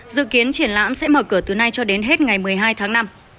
dự kiến triển lãm sẽ mở cửa từ nay cho đến hết ngày một mươi hai tháng năm